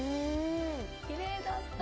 きれいだった。